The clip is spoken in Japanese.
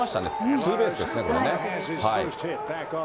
ツーベースですね、これね。